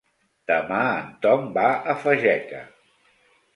Demà en Tom va a Fageca.